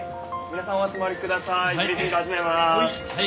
皆さんお集まりください。